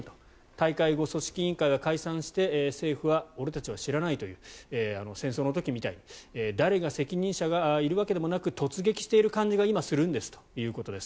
大会後、組織委員会は解散して政府は俺たちは知らないという戦争の時みたいに誰が責任者がいるわけでもなく突撃している感じが今、するんですということです。